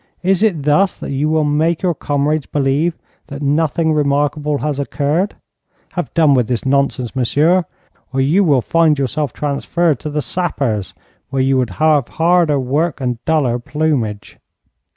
'Is it thus that you will make your comrades believe that nothing remarkable has occurred? Have done with this nonsense, monsieur, or you will find yourself transferred to the sappers, where you would have harder work and duller plumage.'